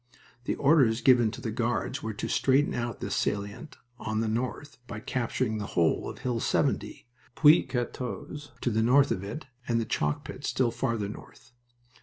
The orders given to the Guards were to straighten out this salient on the north by capturing the whole of Hill 70, Puits 14, to the north of it, and the chalk pit still farther north.